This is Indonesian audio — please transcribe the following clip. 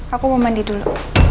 aku mau mandi dulu